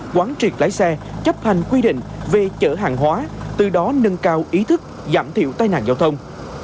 quán triệt lái xe chấp hành quy định về chở hàng hóa từ đó nâng cao ý thức giảm thiểu tai nạn giao thông